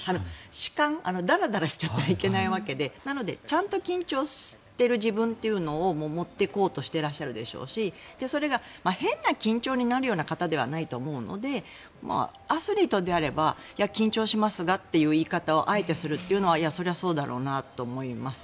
弛緩ダラダラしちゃいけないわけでなのでちゃんと緊張している自分というのを持っていこうとしていらっしゃるでしょうしそれが変な緊張になるような方ではないと思うのでアスリートであれば緊張しますがという言い方をあえてするというのはそれはそうだろうなと思います。